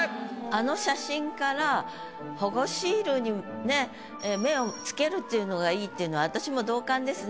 あの写真から保護シールにねっ目をつけるっていうのがいいっていうのは私も同感ですね。